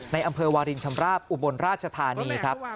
ในอำเภอวาลินชำราบอุบลราชธานีครับ